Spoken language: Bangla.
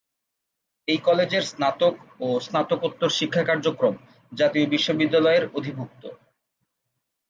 এই কলেজের স্নাতক ও স্নাতকোত্তর শিক্ষা কার্যক্রম জাতীয় বিশ্ববিদ্যালয়-এর অধিভুক্ত।